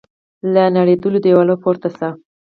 له نړېدلو دیوالو پورته سه